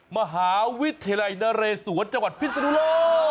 มหาวิทยาลัยนเรศวรจังหวัดพิศนุโลก